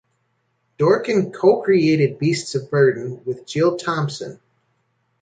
Dorkin co-created "Beasts of Burden" with Jill Thompson.